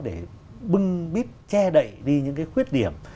để bưng bít che đậy đi những cái khuyết điểm